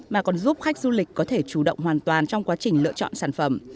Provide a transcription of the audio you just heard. mà còn giúp khách du lịch có thể chủ động hoàn toàn trong quá trình lựa chọn sản phẩm